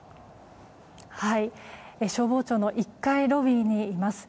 消防庁の１階ロビーにいます。